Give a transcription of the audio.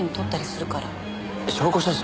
証拠写真？